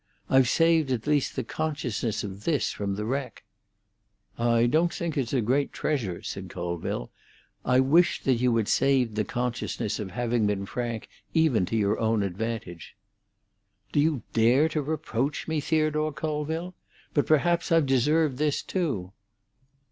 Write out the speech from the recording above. I've saved at least the consciousness of this from the wreck." "I don't think it's a great treasure," said Colville. "I wish that you had saved the consciousness of having been frank even to your own advantage." "Do you dare to reproach me, Theodore Colville? But perhaps I've deserved this too."